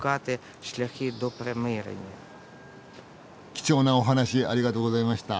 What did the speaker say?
貴重なお話ありがとうございました。